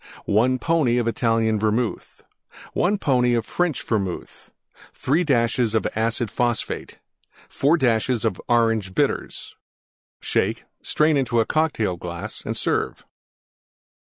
1 pony Italian Vermouth. 1 pony French Vermouth. 3 dashes Acid Phosphate. 4 dashes Orange Bitters. Shake; strain into Cocktail glass and serve.